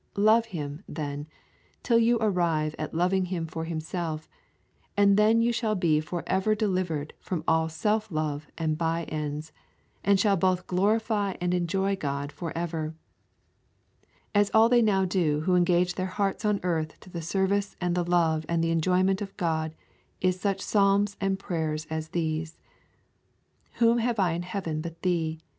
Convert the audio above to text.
Love Him, then, till you arrive at loving Him for Himself, and then you shall be for ever delivered from all self love and by ends, and shall both glorify and enjoy God for ever. As all they now do who engaged their hearts on earth to the service and the love and the enjoyment of God is such psalms and prayers as these: 'Whom have I in heaven but Thee?